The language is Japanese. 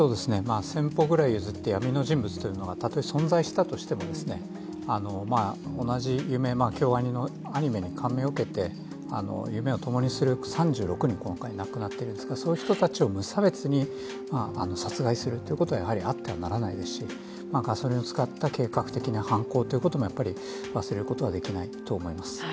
千歩ぐらい譲って闇の人物というのがたとえ存在したとしても同じ夢、京アニのアニメに感銘を受けて夢を共にする３６人が今回亡くなっているんですけど、その人たちを無差別に殺害するということはやはりあってはならないですしガソリンを使った計画的な犯行ということもやっぱり忘れることはできないと思います。